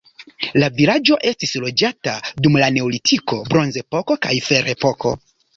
La vilaĝo estis loĝata dum la neolitiko, bronzepoko kaj ferepoko.